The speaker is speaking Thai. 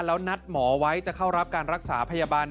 แล้วนัดหมอไว้จะเข้ารับการรักษาพยาบาล